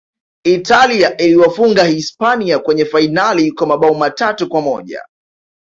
italia iliwafunga hispania kwenye fainali kwa mabao matatu kwa moja